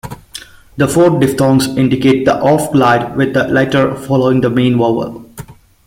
The four diphthongs indicate the offglide with the letter following the main vowel.